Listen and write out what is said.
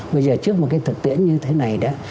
bây giờ trước một cái thực tiễn như thế này đấy